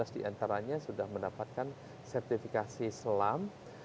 tiga belas diantaranya sudah mendapatkan sertifikasi selam